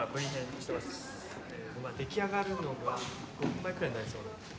まあ出来上がるのが５分前くらいになりそうなんですよ。